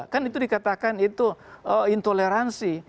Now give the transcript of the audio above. kan itu dikatakan itu intoleransi